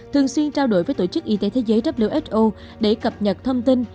thường xuyên trao đổi với tổ chức y tế thế giới who để cập nhật thông tin